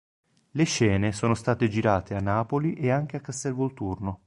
Le scene sono state girate a Napoli e anche a Castel Volturno.